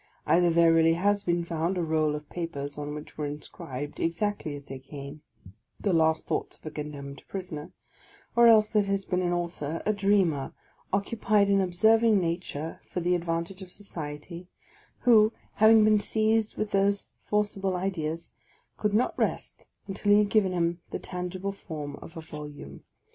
Either there really has been found a roll of papers on which were inscribed, exactly as they came, the last thoughts of a condemned prisoner; or else there has been an author, a dreamer, occupied in observing nature for the ad vantage of society, who, having been seized with those forcible ideas, could not rest until he had given them the tangible form of a volume."